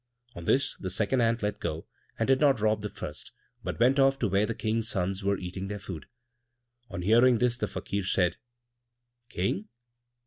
On this the second ant let go and did not rob the first, but went off to where the King's sons were eating their food. On hearing this the Fakir said, "King!